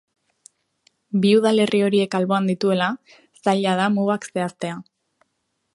Bi udalerri horiek alboan dituela, zaila da mugak zehaztea.